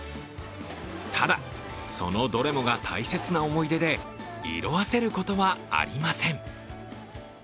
ただ、そのどれもが大切な思い出で色あせることはありません。